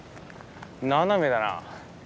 斜めだな。